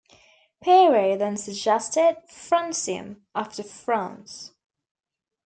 Perey then suggested "francium", after France.